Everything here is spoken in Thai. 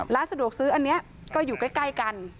ร้านสะดวกซื้ออันนี้ก็อยู่ใกล้กัน